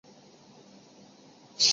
瓦雷泽有一座欧洲学校。